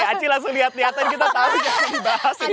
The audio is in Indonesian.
oke aci langsung lihat lihatin kita tau yang dibahas itu